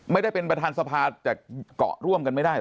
ไม่ได้เป็นประธานสภาแต่เกาะร่วมกันไม่ได้เหรอ